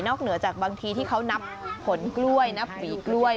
เหนือจากบางทีที่เขานับผลกล้วยนับหวีกล้วย